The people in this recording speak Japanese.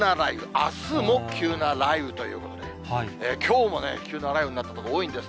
あすも急な雷雨ということで、きょうもね、急な雷雨になった所、多いんです。